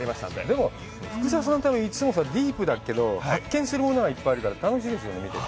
でも福澤さんの旅いつもディープだけど、発見するものがいっぱいあるから、楽しいですよ、見てて。